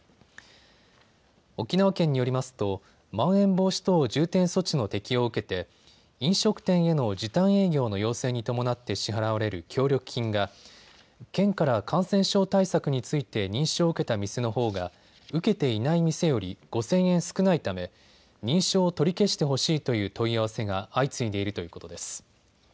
沖縄県によりますとまん延防止等重点措置の適用を受けて飲食店への時短営業の要請に伴って支払われる協力金が県から感染症対策について認証を受けた店のほうが受けていない店より５０００円少ないため認証を取り消してほしいという問い合わせが相次いでいるということです。